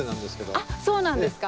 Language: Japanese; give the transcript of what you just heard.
あっそうなんですか。